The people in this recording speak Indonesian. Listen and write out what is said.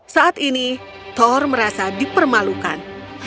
saat ini thor merasa dipermalukan